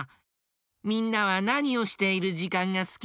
みんなはなにをしているじかんがすき？